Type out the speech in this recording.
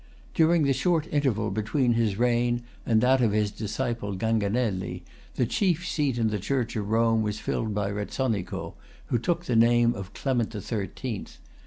During the short interval between his reign and that of[Pg 322] his disciple Ganganelli, the chief seat in the Church of Rome was filled by Rezzonico, who took the name of Clement the Thirteenth.